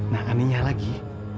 nah anehnya lagi